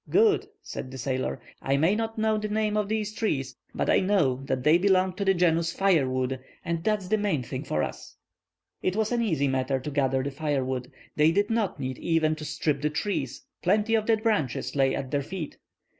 "Good," said the sailor, "I may not know the name of these trees, but I know they belong to the genus firewood, and that's the main thing for us." It was an easy matter to gather the firewood. They did not need even to strip the trees; plenty of dead branches lay at their feet.